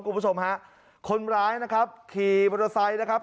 คุณผู้ชมฮะคนร้ายนะครับขี่มอเตอร์ไซค์นะครับ